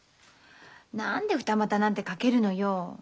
何で二股なんてかけるのよ。